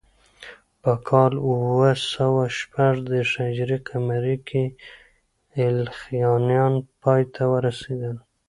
په کال اوه سوه شپږ دېرش هجري قمري کې ایلخانیان پای ته ورسېدل.